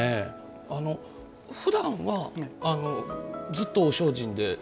ふだんは、ずっとお精進で。